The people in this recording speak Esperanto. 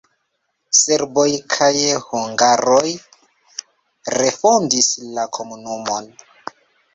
Serboj kaj hungaroj refondis la komunumon.